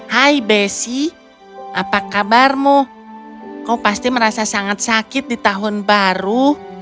hai bessie apa kabarmu kau pasti merasa sangat sakit di tahun baru